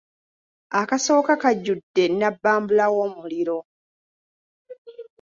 Akasooka kajjudde nnabbambula w'omuliro.